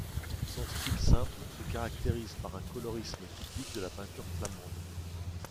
Son style simple, se caractérise par un colorisme typique de la peinture flamande.